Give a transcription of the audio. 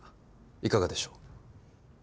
いかがでしょう？